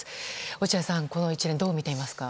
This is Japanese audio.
落合さん、この一連どう見ていますか。